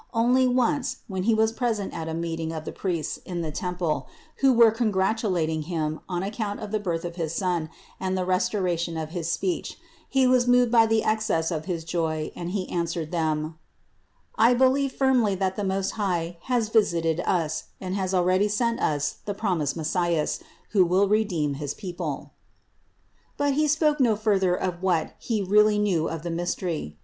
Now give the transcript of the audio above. Only once, when he was present at a meeting of the priests in the temple, who were congratulating him on account of the birth of his son and the restoration of his speech, he was moved by the excess of his joy and he answered them : "I believe firmly that the Most High has visited us and has already sent us the promised Messias, who will redeem his people." But he spoke no further of what he really knew of the mystery.